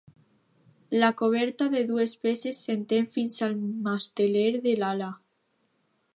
La coberta de dues peces s'entén fins al masteler de l'ala.